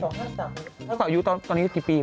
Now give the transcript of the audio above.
ถ้าสาวอยู่ตอนนี้กี่ปีไหม